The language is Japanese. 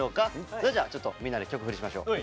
それじゃちょっとみんなで曲振りしましょ。